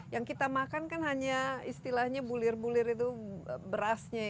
yang kita makan kan hanya istilahnya bulir bulir itu berasnya ya